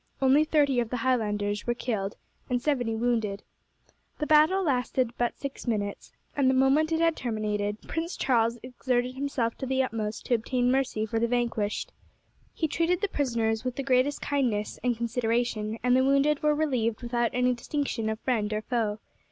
Only thirty of the Highlanders were killed, and seventy wounded. The battle lasted but six minutes, and the moment it had terminated Prince Charles exerted himself to the utmost to obtain mercy for the vanquished. He treated the prisoners with the greatest kindness and consideration, and the wounded were relieved without any distinction of friend or foe.